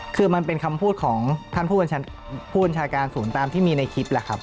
คือมันเป็นคำพูดของท่านผู้บัญชาการศูนย์ตามที่มีในคลิปแหละครับ